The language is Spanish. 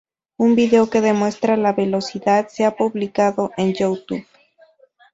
Un video que demuestra la velocidad se ha publicado en Youtube.